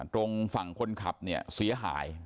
ตรงฝั่งคนขับเนี่ยเสียหาย